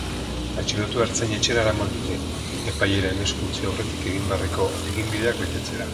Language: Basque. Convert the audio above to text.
Atxilotua ertzain-etxera eraman dute, epailearen esku utzi aurretik egin beharreko eginbideak betetzera.